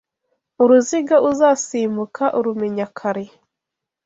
Uruziga uzasimbuka urumnya kare